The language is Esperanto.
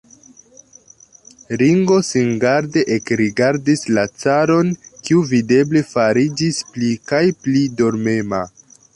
Ringo singarde ekrigardis la caron, kiu videble fariĝis pli kaj pli dormema.